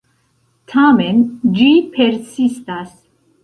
Tamen, ĝi persistas.